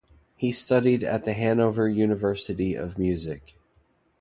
He studied at the Hanover University of Music.